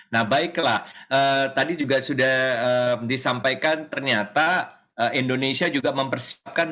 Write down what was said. nah baiklah tadi juga sudah disampaikan ternyata indonesia juga mempersiapkan